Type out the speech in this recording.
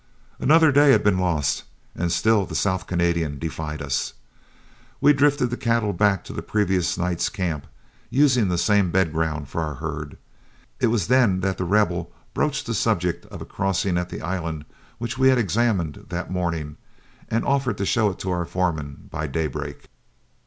Another day had been lost, and still the South Canadian defied us. We drifted the cattle back to the previous night camp, using the same bed ground for our herd. It was then that The Rebel broached the subject of a crossing at the island which we had examined that morning, and offered to show it to our foreman by daybreak.